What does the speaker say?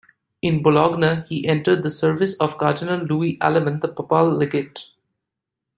In Bologna, he entered the service of Cardinal Louis Aleman, the papal legate.